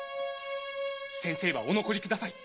⁉先生はお残りください。